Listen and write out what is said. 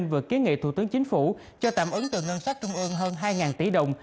vừa kiến nghị thủ tướng chính phủ cho tạm ứng từ ngân sách trung ương hơn hai tỷ đồng